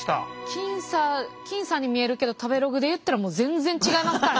僅差僅差に見えるけど食べログでいったらもう全然違いますからね。